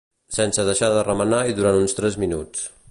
sense deixar de remenar i durant uns tres minuts